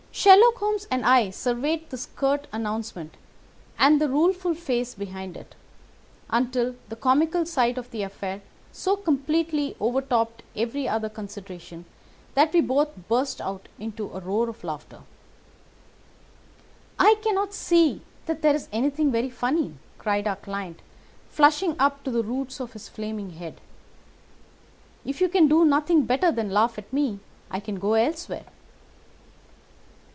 Sherlock Holmes and I surveyed this curt announcement and the rueful face behind it, until the comical side of the affair so completely overtopped every other consideration that we both burst out into a roar of laughter. "I cannot see that there is anything very funny," cried our client, flushing up to the roots of his flaming head. "If you can do nothing better than laugh at me, I can go elsewhere."